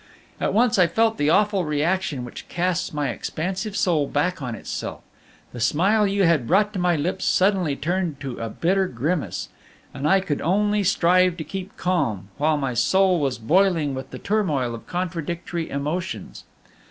At once I felt the awful reaction which casts my expansive soul back on itself; the smile you had brought to my lips suddenly turned to a bitter grimace, and I could only strive to keep calm, while my soul was boiling with the turmoil of contradictory emotions.